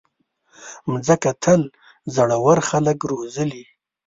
مځکه تل زړور خلک روزلي.